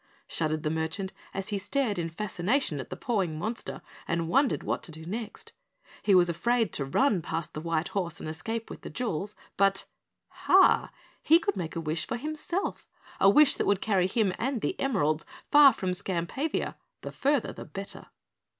shuddered the merchant as he stared in fascination at the pawing monster and wondered what to do next. He was afraid to run past the white horse and escape with the jewels, but HAH! he could make a wish for himself, a wish that would carry him and the emeralds far from Skampavia, the farther the better.